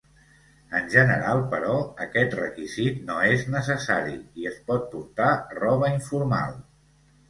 En general, però, aquest requisit no és necessari i es pot portar roba informal.